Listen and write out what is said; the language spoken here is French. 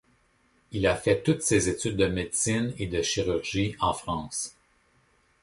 Il a fait toutes ses études de médecine et de chirurgie en France.